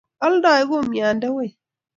ioldei kumyande wei?